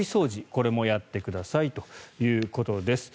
これもやってくださいということです。